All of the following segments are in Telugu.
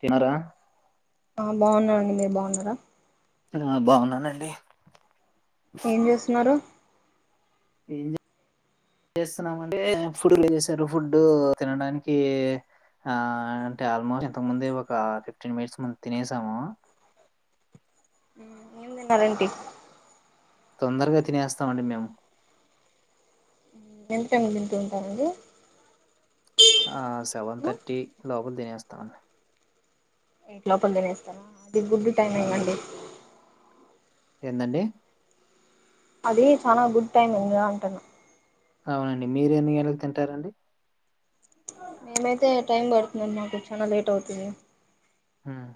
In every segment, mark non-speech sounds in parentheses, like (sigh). తిన్నరా? ఆ బాగున్నామండి, మీరు బాగున్నారా? ఆ, బాగున్నానండి. ఏం చేస్తున్నారు? ఎం చేస్తున్నామంటే ఫుడ్ చేసారు. ఫుడ్డు తినడానికి ఆ అంటే, ఆల్మోస్ట్ ఇంతకు ముందే ఒక ఫిఫ్టీన్ మినిట్స్ ముందు తినేసాము. ఏం తిన్నారేంటి? తొందరగా తినేస్తామండి మేము. ఉమ్ ఎంత తింటూ ఉంటారండి? ఆ సెవెన్ తట్టి లోపల తినేస్తామండి. ఎయిట్ లోపల తినేస్తవా? అది గుడ్ టైమింగ్ అండి. ఎందండి? అదీ చాన గుడ్ టైమింగు అంటున్న. అవునండి, మీరేన్ని గంటలకీ తింటారండి? మేమైతే టైమ్ పడుతుందండి మాకు, చానా లేట్ అవుతుంది. హ్మ్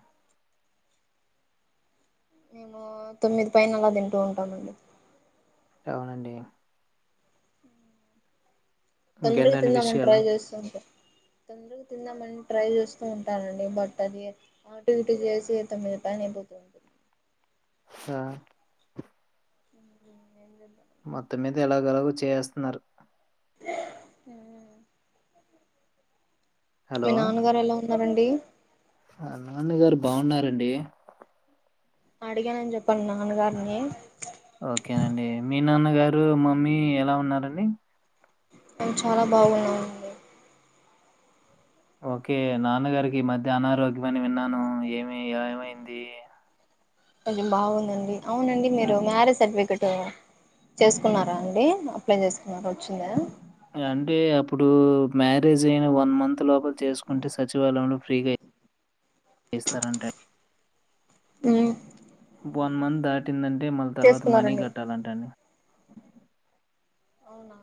ఆ తొమ్మిది పైన అలా, తింటూ ఉంటామండి. అవునండి. తొందర ఇంకేంటండి తిందామని ట్రై విషయాలు చేస్తూ ఉంటాం. తొందరగా తిందామని ట్రై చేస్తూ ఉంటానండి, బట్ అది అటు ఇటు చేసి తొమ్మిది పైన అయిపోతూ ఉంటుంది. ఆ ఇంకేంటన్ మొత్తం మీద ఎలాగొలాగ చేస్తున్నారు. ఉమ్ హలో మీ నాన్నగారు ఎలా ఉన్ న్నారండి. నాన్నగారు బావున్నారండి. అడిగానని చెప్ప మీ నాన్న గారిని ఓకేనండి మీ నాన్నగారు మమ్మీ ఎలా ఉన్నారండి నేను చాలా బాగున్నాను ఓకే నాన్నగారికి మధ్య అనారోగ్యమని విన్నాను ఏమి ఏమైంది కొంచెం బావుందండి అవునండి మీరు హ్మ్. మ్యారేజ్ సర్టిఫి చేసుకున్నారా అండి అప్లై చేసుకున్నారా వచ్చిందా అంటే అప్పుడు మ్యారేజ్ అయినా వన్ మంత్ లోపల చేసుకుంటే సచివాలయంలో ఫ్రీగా చేస్తారంట హా వన్ మంత్ దాటిందంటే అంటే మల్ తర్వాత మనీ చేసుకున్నారండి కట్టాలంటండి అవునా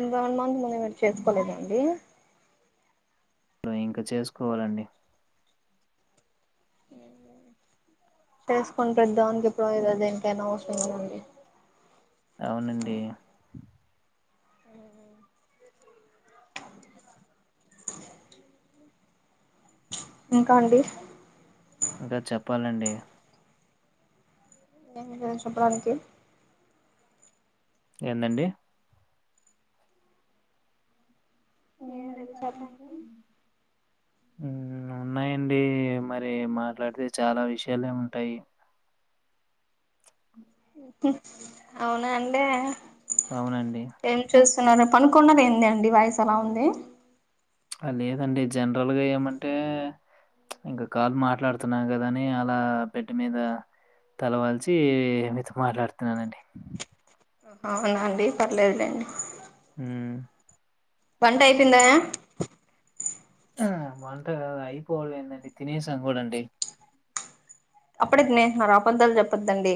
ఇంకా వన్ మంత్ ముంద మీరు చేసుకోలేదండి లో ఇంకా చేసుకోవాలండి తెలుసుకొని పెద్దా అనికి ఎప్పుడదు అద ఇంకైనా అవసరం ఉదండి అవునండి అ ఇంకా అండి ఇంకా చెప్పాలండి ఏ లేద చెప్పడానికి ఏందండి నేనేది సతానికి ఉన్నాయంండి మరి మాట్లాడితే చాలా విషయాలే ఉంటాయి అవునా అండి అవునండి. ఏం చూస్తున్నారు అనుకున్నది ఏంది అండి వయసు ఎలా ఉంది లేదండి జనరల్గా ఏమంటే ఇంకా కాలు మాట్లాడుతున్నా కద అని అలా బెడ్ మీద తలవాల్చి మీతో మాట్లాడుతున్నానండి అవునా అండి పర్లేదులేండి హు వంట అయిపోందా వంట అయిపోడందండి తినసాను కూడా అండి అప్పుడనే తినేసి నారా అబద్దాలు చెప్పద్దండి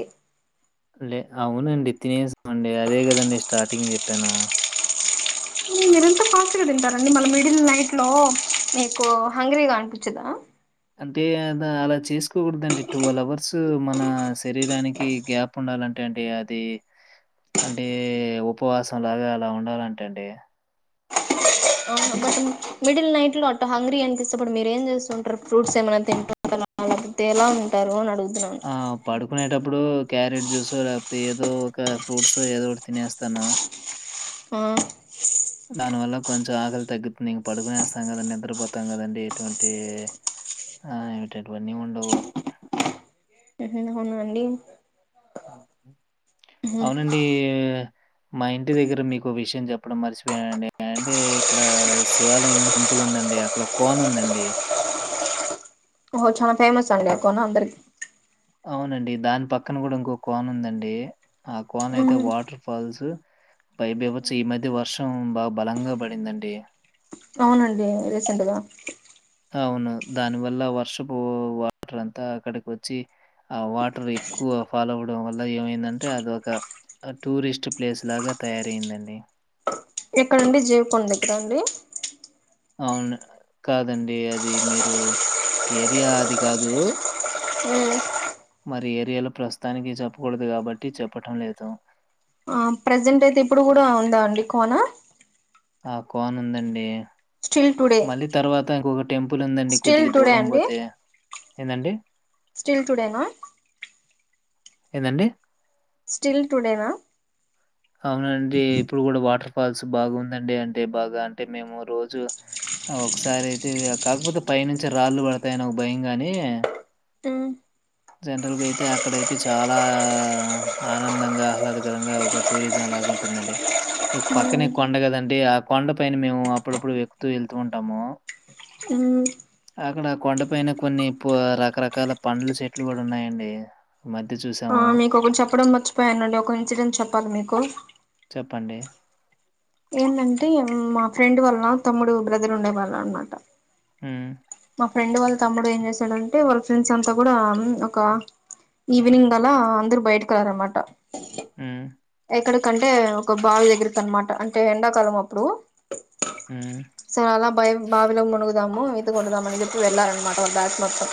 లే అవునండి తినేసా అండి అదే కదండి స్టార్ట్ టింగ్ చెప్పాను మీరంత ఫాస్ట్గా తింటారండి మళ మిడిల్ నైట్ లో మీకు హంగ్రీ గా అనిపించదా అంటే అద అలా చేసుకోకూడదండి ట్వెల్వ్ అవర్స్ మన శరీరానికి గ్యాప్ ఉండాలంటా అండి అది అంటే ఉపవాసంలాగా అలా ఉండాలంట అండి అవును మిడిల్ నైట్ లో అట్ట హంగ్రీ అని ఇప్పుడు మీరు ఏం చేస్త ఉంటారు ఫ్రూట్స్ ఏమైనా తింటారా లేకపోతే ఎలా ఉంటారు అని అడుగు ఆ పడుకునేటప్పుడు క్యారెట్ జ్యూస్ లేకపోతే ఏదో ఒక ఫ్రూట్స్ ఏదోటి తినేస్తాను ఆ దానివల్ల కొంచెం ఆకలి తగ్గుతుంది. ఇగా పడుకునేస్తాం కదండి, నిద్రపోతాం కదండి. ఎటువంటి ఆ ఏటటువన్నీ ఉండవు. ఆహ్ అవునాఅండి. ఉహ్ అవునండీ మా ఇంటి దగ్గర మీకు విషయం చెప్పడం మర్చిపోయానండి. అంటే ఇక్కడ శివాలయం టెంపుల్ ఉందండి, అక్కడ కోన ఉందండి. ఓహో చానా ఫేమస్ అండి ఆ కోన అందరికి. అవునండి దాని పక్కన కూడా ఇంకో కోన ఉందండి. ఆ కోన్ అయితే ఉహు వాటర్ ఫాల్స్ పైపేయవచ్చు ఈ మధ్య వర్షం బాగా బలంగా పడిందండి. అవునండి రీసెంటగా. అవును దానివల్ల వర్షపు వాటర్ అంతా అక్కడికి వచ్చి ఆ వాటర్ ఎక్కువ ఫాల్ అవ్వడం వల్ల ఏమైందంటే అది ఒక టూరిస్ట్ ప్లేస్ లాగా తయారయిందండి. ఎక్కడండి జేవకొండ దగ్గర అండి. అవును. కాదండి, అది మీరు ఏరియా అది కాదు. ఉ మరి ఏరియాలో ప్రస్తుతానికి చెప్పకూడదు కాబట్టి చెప్పటం లేదు. ఆ ప్రసెంట్ అయితే ఇప్పుడు కూడా ఉందా అండి కోనా. ఆ కోన ఉందండి. స్టిల్ టుడే మళ్ళీ తర్వాత ఇంకొక టెంపుల్ ఉందండి స్టిల్ కొద్దిగా టుడే దూరం అండి పోతే. ఎందండి. స్టిల్ టుడేనా. ఏందండి. స్టిల్ టుడేనా. అవునండి ఇప్పుడు కూడా వాటర్ ఫాల్స్ బాగు ఉందండి. అంటే బాగా అంటే మేము రోజు ఒకసారి అయితే కాకపోతే పైనుంచి రాళ్ళు పడతాయని ఒక భయం గాని హ్ జనరల్గా అయితే అక్కడ అయితే చాలా ఆనందంగా, ఆహ్లాదకరంగా ఒక టూరిజం లాగా ఉంటుందండి. పక్కనే కొండ కదండి, ఆ కొండ పైన మేము అప్పుడప్పుడు వెక్కుతూ వెళ్తూ ఉంటాము. అక్కడ ఆ కొండ పైన కొన్ని ప రకరకాల పండ్ల చెట్లు కూడా ఉన్నాయండి మధ్య చూసాము. ఆ మీకు ఒకటి చెప్పడం మర్చిపోయానండి. ఒక ఇన్సిడెంట్ చెప్పాలి మీకు. చెప్పండి. ఏంటంటే మా ఫ్రెండ్ వల్ల తమ్ముడు బ్రదర్ ఉండే వాళ్ళు అనమాట. హ్ ఆ ఫ్రెండ్ వాళ్ళ తమ్ముడు ఏం చేశాడంటే వాళ్ళ ఫ్రెండ్స్ అంతా కూడా అం ఒక ఈవినింగ్ గలా అందరు బయటకు వెళ్ళరన్నమా హ్ కంటే ఒక బావి దగ్గరకి అనమాట అంటే ఎండాకాలం అప్పుడు హ్మ్. సో అలా బయ బావిలో మునుగుదాము ఈత కొడదామని చెప్పి వెళ్ళారన్నమాట వాళ్ళ బ్యాచ్ మొత్తం.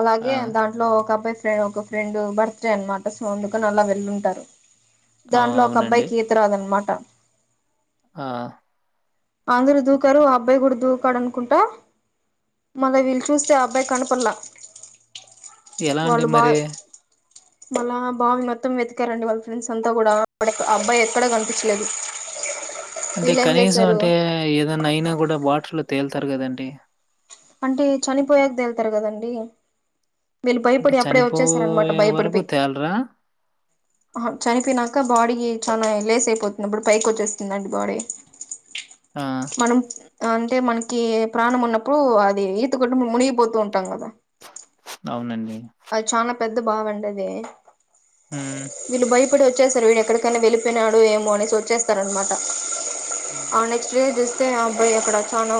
అలాగే ఆ! దాంట్లో ఒక అబ్బాయి అంటే ఒక ఫ్రెండ్ బర్త్డే అనమాట సో అందుకని అలా వెళ్ళుంటారు. ఆ! దాంట్లో ఒక అవునండి. అబ్బాయికి ఈత రాదనమా ట ఆ అందరూ దూకారు అబ్బాయి కూడా దూకాడు అనుకుంటా మళ్ళ వీళ్లు చూస్తే అబ్బాయి కనపడ్లా ఎలా అండి మరి మళ్ళ బావి మొత్తం వెతికారండి వాళ్ళ ఫ్రెండ్స్ అంతా కూడా అక్కడ అబ్బాయి ఎక్కడ కనిపించలేదు అంటే వీళ్ళు ఏం కనీసం చేశారు అంటే ఏదన్నా అయినా కూడా వాటర్లో తేలుతారు కదండి అంటే చనిపోయాక తేళ్తారు కదండి మీీళ్ళు అంటే భయపడి అప్పుడే వచ్చేసారనమాట చనిపోయే వరకు భయపడిపోయి తేలరా? చనిపోయినాక బాడీకి చాలా లేస్ అయిపోతున్నప్పుడు పైకి వచ్చేస్తుందండి బాడీ ఆ! మనం అంటే మనకి ప్రాణం ఉన్నప్పుడు అది ఈత కొట్టి మనం మునిగిపోతూ ఉంటాం కదా అవునండి అది చాన పెద్ద బావండదీ హ్మ్. వీళ్ళు భయపడొచ్ చేస్తరు వీడియో ఎక్కడ క్కన వెల్లివచ్ పెనాడు ఏమో అనేసి చేస్తరన్మాట హ్మ్. అ నెక్స్ట్ వె చేస్ తే ఆ అబ్బాయి ఎక్కడ చానా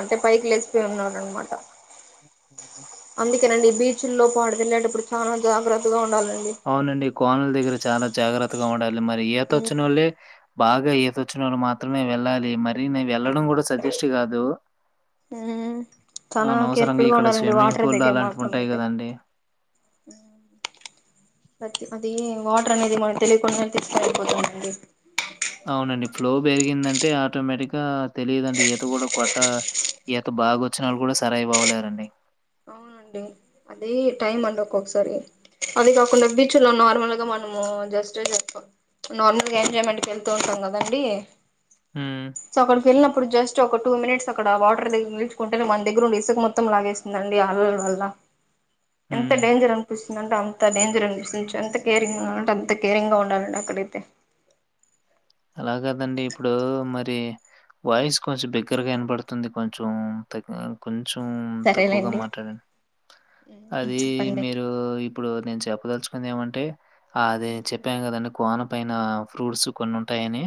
అంటె పైకి లేసి పోయి ఉన్నా అనమాట (inaudible) తినండి బీచుల్లో పాడు తళ్ళేటప్పుడు చాలా జాగ్రత్తగా ఉండాలి అవ్నండి కోనల్ దెగ్గర చాలా జాగ్రత్ కిల్లొ వండాక్ మరి ఉమ్ ఈతొచ్చినొళ్ళే బాగ ఈతోచ్చినొల్ మాత్రమే వెళ్ళాలి మరీ నెవ్ వెళ్ళడం కూడ సజెస్ట్ కాదు ఉమ్ చాలా అనవసరంగ కేర్ఫుల్ గా ఇక్కడ ఉండాలండి స్విమ్మింగ్ వాటర్ పూల్ ల్ల దగ్గర అలాంటివి మాత్రం ఉంటాయి అయితే కదండి అదీ వాటర్ అనేది మనం తెలీకుండానె తీసుకుపోతుందండి అవునండి ఫ్లో పెరిగిందంటే ఆటోమేటిగ్గ తెలీదండి ఈత కూడా కొ ఆ ఈత బాగ్ వొచ్చినళ్ళు కూడా సర అయి బవలేరండి ఉ అండి అదీ టైం అండి ఒక్కొక్కసారి అది కాకుండా బీచ్ల్లో నార్మల్గ మనము జస్ట్ చెప్ప నార్మల్గ ఎంజాయ్మెంట్ వెళ్తూ ఉంటాం కదాండి హ్మ్. సొ అక్కడికెళ్ళినప్పుడు జస్ట్ ఒక టూ మినిట్స్ అక్కడ వాటర్ దిగి నిల్చుకుంటె నె మన దెగ్గరున్న ఇసుక మొత్తం లాగేసిందండి అల మల్ల వదల్ల ఎంత హ్మ్. డేంజర్ అనిపిస్తుందంటే అంత డేంజర్ అనిపిస్తుంది ఎంత కేరింగ్ ఉంటే అంత కేరింగ్ గా ఉండాలండి అక్కడైతే దండి ఇప్పుడూ మరి వాయిస్ కొంచెం బిగ్గరగా ఇనపడుతుంది కొంచెం తగ్గ కొన్ చెం తక్కువగా సరేలేండి మాట్లాడండి అదీ చెప్పండి మీరూ ఇప్పుడు నేను చెప్పద చ్చు కుందేమంటే ఆదే చెప్పాం కదండి కోన పైనా ఫ్రూట్స్ కొన్నుంటయని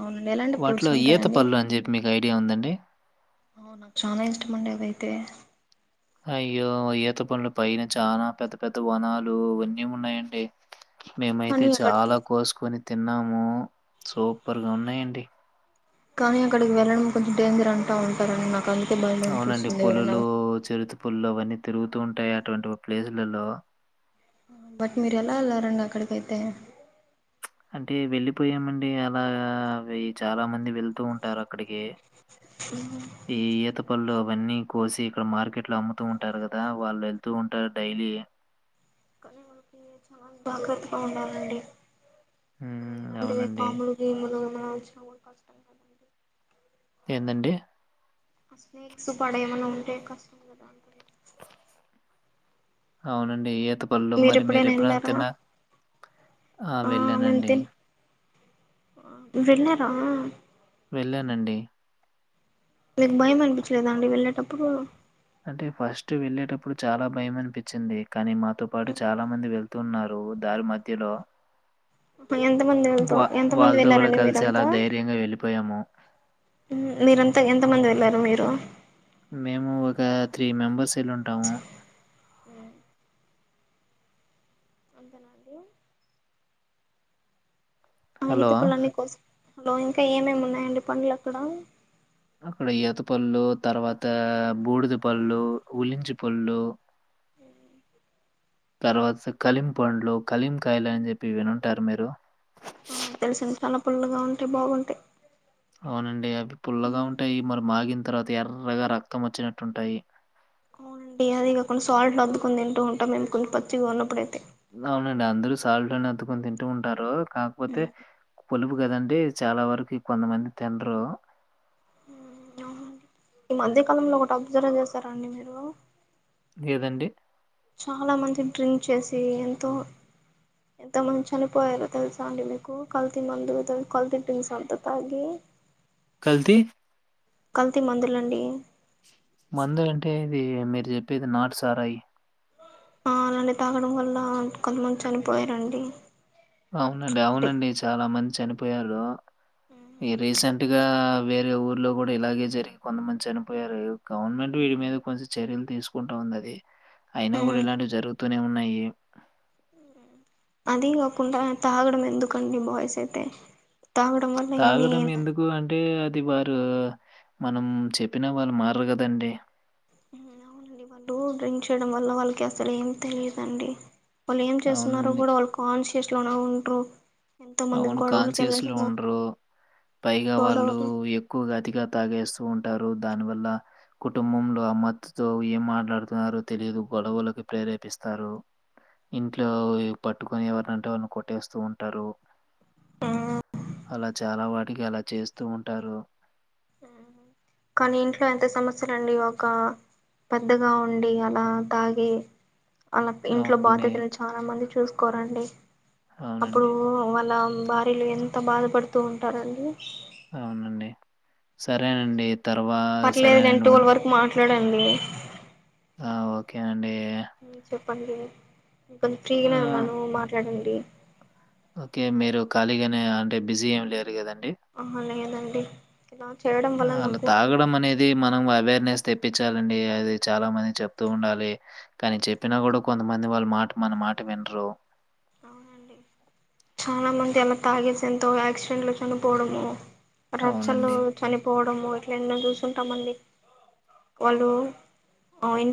అవునండి ఎలాంటి ఫ్రూట్స్ వాట్లో ఈత ఉంటాయండి పళ్ల అన్ చెప్పి మీకు ఐడియా ఉందండి ఓ నాక్ చాలా ఇష్టం అండి అదై తే అయ్యో ఈత పండ్లు పైన చాలా పెద్ద పెద్ద వనాలు వన్యం ఉన్నాయండి కానీ మేమైతె అక్కడికి చాలా కోసుకొని తిన్నాము సూపర్గ ఉన్నాయండి కానీ అక్కడికి వెళ్ళడం కొంచెం డేంజర్ అంటా ఉంటారండి నాకన్ అవునండి పులులు చెరుత పులులు అవన్నీ తిరుగుతూ ఉంటాయి అటువంటి ప్లేసులలో బట్ మిర్ ఎలా ఎల్లారండీ అక్కడికైతే అంటే వెళ్ళిపోయామండి అలావి చాలా మంది వెళ్తూ ఉంటారు అక్కడికి ఏ ఏత పళ్లు ఇవన్నీ కోసి ఇక్కడ మార్కెట్ లో అమ్ముతూ ఉంటారు కదా వాళ్ళు వెళ్తూ ఉంటారు డైలీ కానీ వాళకి చాలా జాగ్రత్తగా ఉండాలండి అక్కడ హ్మ్. ఎలాంటి అవునండి. పాములు గిల్లుగ్ (inaudible) ఏందండి ఆ స్నేక్స్ పడే ఏమన్నా ఉంటే కష్టం కదా అంటున్న అవునండి త్తుపల్లో మరి మీరు ఎప్పుడైనా తిన్నా ఆ వెళ్ళానండి వెళ్ళార వెళ్ళానండి మీకు భయం అనిపించలేదా అండి వెళ్ళేటప్పుడు అంటే ఫస్ట్ వెళ్ళేటప్పుడు చాలా భయం అనిపించింది కానీ మాతో పాటు చాలా మంది వెళ్ తున్నారు దారి మధ్యలో ఎంతమంది వెళ్తా వా ఎంతమంది వాళ్ళతో గూడా వెళ్లారండి కలిసి అలా మీరంతా ధైర్యంగా వెళ్ళిపోయాము. మీరంతా ఎంత మంది వెళ్లారు మీరు మేము ఒక త్రీ మెంబర్స్ ఇల్లు ఉంటాము అంతేనాండి అ హలో! ఇతప్పుల్లన్ని కోస్ హలో ఇంకా ఏమేమి ఉన్నాయండి పండ్లు అక్కడ అక్కడ ఈతపళ్ళు తర్వాత బూడిద పళ్ళు ఉలించి పళ్ళు ఉం తర్వా కలీం పండ్లు కలీం కాయలుని చెప్పి వినుంటారు మీరు ఆ తెలిసింది చాల పుల్లగా ఉంటాయి బాగుంటాయి అవునండి అవి పుల్లగా ఉంటాయి మరి మాగింత తర్వాత ఎర్రగా రక్తం వచ్చినట్టుంటాయి అవునండి అది కాకుండా సాల్ట్ అద్దుకుని తింటూ ఉంటాం మేము కొంచం పచ్చిగా ఉన్నప్పుడుయితే అవునండి అందరూ సాల్ట్ లోనే అత్తుకుని తింటూ ఉంటారు కాకపోతే పులుపు కదండి చాలా వరకు కొంతమంది తిన్రు అవునండి ఈ మధ్యకాలంలో ఒకటి అబ్జర్వ్ చేసారాండి మీరు లేదండి చాలా మంది డ్రింక్ చేసి ఎంతో ఎంతో మంది చనిపోయారో తెలుసా అండి మీకు కల్తీ మందు కల్తీ డ్రింక్స్ అంతా తాగి కల్తీ కల్తీ మందులండి మందు అంటే ఇది మీరు చెప్పేది నాటిసారాయి ఆ అలానే తాగడం వల్ల కొంతమంది చనిపోయారండి అవునండి అంటే అవునండి చాలా మంచి పోయారు ఈ రీసెంట్గా వేరే ఊర్లో గూ డా ఇలాగే జరిగి కొంతమంది చనిపోయారు గవర్నమెంట్ వీడి మీద కొంచెం చర్యలు తీసుకుంటా ఉందది అయినా కూడా మ్మ్ ఇలాంటివి జరుగుతూనే ఉన్నాయి అది గాకుండా తాగడం ఎందుకండి బాయ్స్ అయితే తాగడం వల్ల ఎన్ని తాగడం ఎందుకు అంటే వారు మనం చెప్పినా వాళ్ళు మారరు గదండి అవునండి వాళ్ళు డ్రింక్ చేయడం వల్ల వాళ్ళకి అసలు ఏం తెలియదుండి వాళ్ళు ఏం చేస్తున్నారో అవునండి. కూడా వాళ్ళు కాన్షియ స్లోనే ఉండ్రు అవును కాన్షియస్లు ఉండరు పైగా వాళ్ళు గొడవలు ఎక్కువ అతిగా తాగేస్తారు స్తూ ఉంటారు దాని వల్ల కుటుంబంలో అ మతుతో ఏం మాట్లాడుతున్నారుారో తెలియదు గొడవలకి ప్రేరేపిస్తారు ఇంట్లో పట్టుకొని ఎవరినంటే వాళ్ళని కొట్టేస్తూ ఉంటారు ఆ అలా చాలా వాటికి అలా చేస్తూ ఉంటారు కానీ ఇంట్లో ఎంత సమస్యలు అండి ఒక పెద్దగా ఉండి అలా తాగి అలా ఇంట్లో అవునండి. బాధ్యతలు చాలా మంది చూసు కోరండి అప్పుడు అవునండి. వాళ్ళ భార్యలు ఎంత బాధపడుతూ ఉంటారండి అవునండి సరేనండి తర్వాత సరేనేను డండి ఆ ఓకే అండి. ఊ చ చెప్పండి కొంచం ఆ! ఫ్రీగనే ఉన్నాను మాట్లాడండి. కాళిగానే అంటే బిజీ ఏం లేరు కదండి. ఆహ లేదండి. డి. ఆ అలా తాగడం అనేది మనం అవేర్నెస్ తెప్పిచ్చాలండి. అది చాలా మందికి చెప్తూ ఉండాలి. కానీ చెప్పినా కూడా కొంతమంది వాళ్ళ మాట మన మాట విండ్రు అవునండి చాలా మంది అలా తాగేసి ఎంతో యాక్సిడెంట్లు చనిపోవడము రచ్చలు అవునండి. చనిపోవ ఆ ఒక్కటి రెండు చూసుంటామండి వాళ్ళు ఆ ఇంట్లో